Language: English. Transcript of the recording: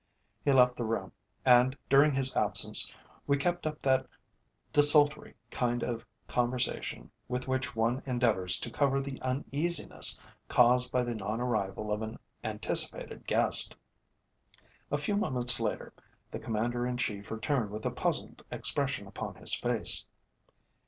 He left the room, and during his absence we kept up that desultory kind of conversation with which one endeavours to cover the uneasiness caused by the non arrival of an anticipated guest. A few moments later the Commander in Chief returned with a puzzled expression upon his face.